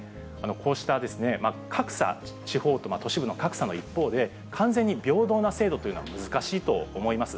こうした格差、地方と都市部の格差の一方で、完全に平等な制度っていうのは難しいと思います。